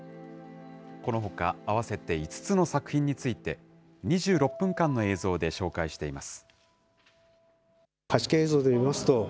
このほか、合わせて５つの作品について、２６分間の映像で紹介しています。